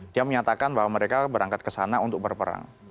dia menyatakan bahwa mereka berangkat ke sana untuk berperang